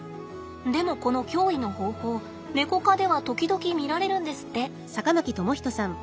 でもこの驚異の方法ネコ科では時々見られるんですって！